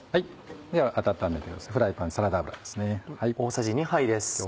では温めているフライパンにサラダ油ですね。